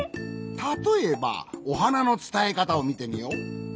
たとえば「おはな」のつたえかたをみてみよう。